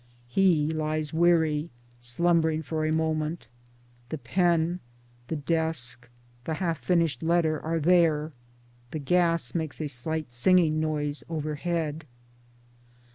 He lies weary, slumbering for a moment. The pen, the desk, the half finished letter, are there; the gas makes a slight singing noise overhead.